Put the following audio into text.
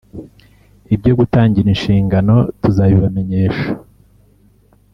ibyo gutangira inshingano tuzabibamenyesha